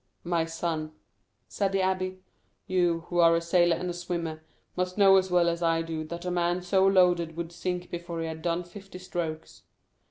"My son," said the abbé, "you, who are a sailor and a swimmer, must know as well as I do that a man so loaded would sink before he had done fifty strokes.